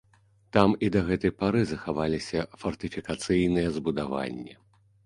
Там і да гэтай пары захаваліся фартыфікацыйныя збудаванні.